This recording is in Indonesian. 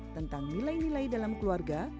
tentang nilai nilai dalam keluarga